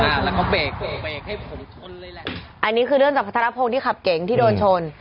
แล้วก็เบรกเบรกให้ผมชนเลยแหละอันนี้คือเรื่องจากพัทรพงศ์ที่ขับเก๋งที่โดนชน